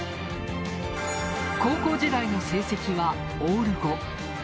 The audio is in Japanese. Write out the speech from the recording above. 高校時代の成績はオール５。